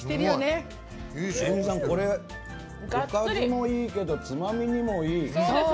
これ、おかずもいいけどつまみにもいい。